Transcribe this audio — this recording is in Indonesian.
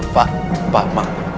pak pak mak